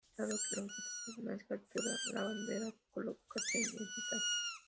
Dado que el objetivo para ganar es capturar la bandera, su colocación es vital.